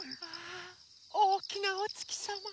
おおきなおつきさま。